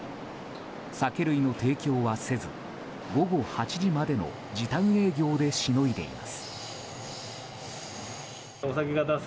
酒類の提供はせず午後８時までの時短営業でしのいでいます。